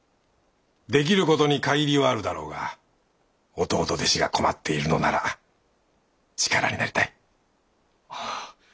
できる事に限りはあるだろうが弟弟子が困っているのなら力になりたい。